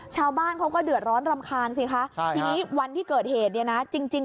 ชาวบ้านเขาก็เดือดร้อนรำคาญสิคะทีนี้วันที่เกิดเหตุเนี่ยนะจริงจริง